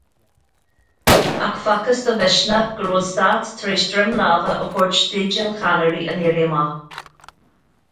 Ach facthas do Mhisneach go raibh an Stát tar éis droim láimhe a thabhairt d'idéil cheannairí an éirí amach.